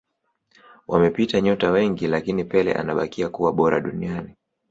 wamepita nyota wengi lakini pele anabakia kuwa bora duniani